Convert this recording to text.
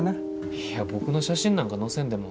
いや僕の写真なんか載せんでも。